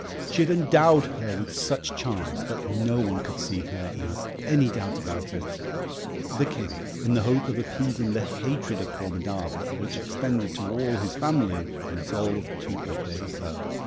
She had endowed her with such charms that no one could see her and have any doubt about it. The King, in the hope of appeasing the hatred of Formidable, which extended to all his family, resolved to obey her.